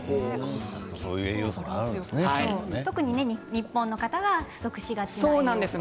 日本の方が不足しがちなものですね。